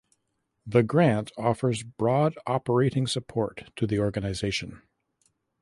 The grant offers broad operating support to the organization.